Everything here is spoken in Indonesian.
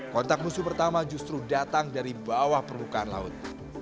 kontak musuh pertama justru datang dari bawah permukaan laut